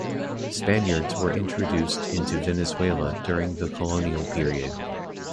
Spaniards were introduced into Venezuela during the colonial period.